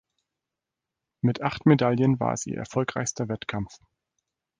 Mit acht Medaillen war es ihr erfolgreichster Wettkampf.